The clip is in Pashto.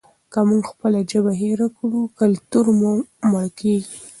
که موږ خپله ژبه هېره کړو کلتور مو مړ کیږي.